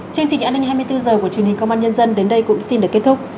chương trình an ninh hai mươi bốn h của truyền hình công an nhân dân đến đây cũng xin được kết thúc